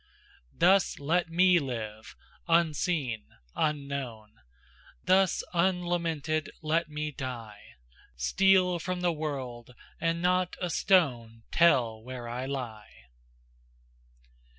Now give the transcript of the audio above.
Thus let me live, unseen, unknown; Thus unlamented let me die; Steal from the world, and not a stone Tell where I lie.